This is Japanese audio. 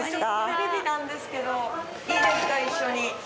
テレビなんですけどいいですか？